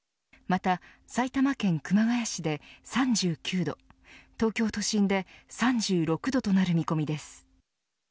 また埼玉県熊谷市で３９度東京都心で３６度となる見込みです。